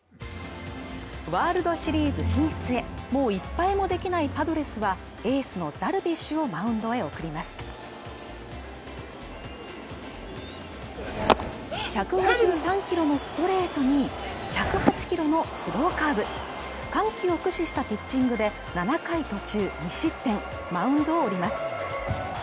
ワールドシリーズ進出へもう１敗もできないパドレスはエースのダルビッシュをマウンドへ送ります１５３キロのストレートに１０８キロのスローカーブ緩急を駆使したピッチングで７回途中２失点マウンドを降ります